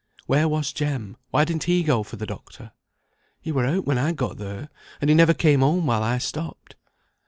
"Where was Jem? Why didn't he go for the doctor?" "He were out when I got there, and he never came home while I stopped."